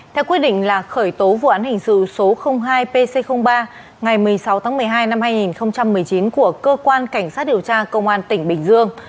theo quyết định là khởi tố vụ án hình sự số hai pc ba ngày một mươi sáu tháng một mươi hai năm hai nghìn một mươi chín của cơ quan cảnh sát điều tra công an tỉnh bình dương